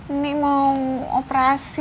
ini mau operasi